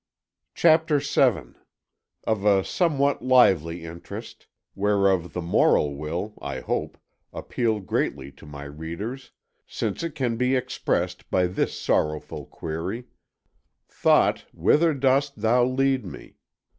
CHAPTER VII OF A SOMEWHAT LIVELY INTEREST, WHEREOF THE MORAL WILL, I HOPE, APPEAL GREATLY TO MY READERS, SINCE IT CAN BE EXPRESSED BY THIS SORROWFUL QUERY: "THOUGHT, WHITHER DOST THOU LEAD ME?"